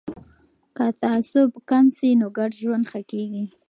که تعصب کم سي نو ګډ ژوند ښه کیږي.